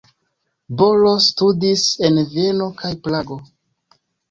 Boros studis en Vieno kaj Prago.